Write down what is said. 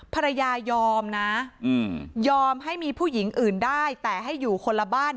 ภรรยายอมนะยอมให้มีผู้หญิงอื่นได้แต่ให้อยู่คนละบ้าน